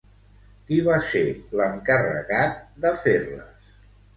Qui va ser l'encarregat de fer-les?